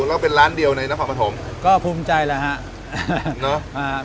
แล้วก็เป็นร้านเดียวในนักฟังประถมก็ภูมิใจแหละฮะเนอะอ่า